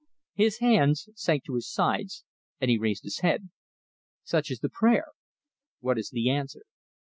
His hands sank to his sides, and he raised his head. "Such is the prayer. What is the answer?